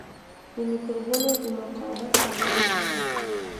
د مکروبونو د مقاومت سبب نه شي.